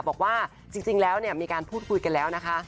บอกว่าจริงแล้วมีการพูดคุยกันแล้วนะคะ